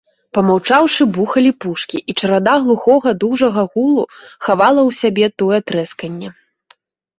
Памаўчаўшы, бухалі пушкі, і чарада глухога, дужага гулу хавала ў сябе тое трэсканне.